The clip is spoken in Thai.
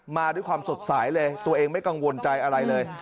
มาด้วยความสดใสเลยตัวเองไม่กังวลใจอะไรเลย